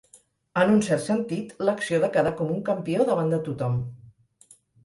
En un cert sentit, l'acció de quedar com un campió davant de tothom.